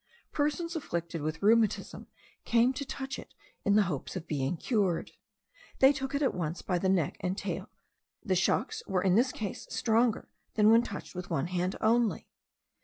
Persons afflicted with rheumatism came to touch it in hopes of being cured. They took it at once by the neck and tail the shocks were in this case stronger than when touched with one hand only.